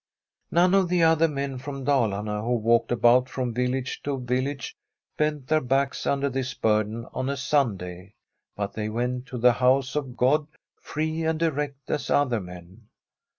None of the other men from Dalarne who walked about from village to village bent their backs under this burden on a Sunday, but they went to the house of God free and erect as other men.